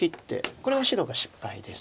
これは白が失敗です。